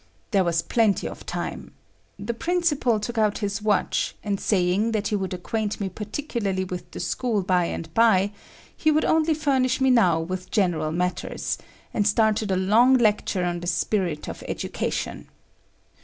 There was plenty of time. The principal took out his watch, and saying that he would acquaint me particularly with the school by and bye, he would only furnish me now with general matters, and started a long lecture on the spirit of education.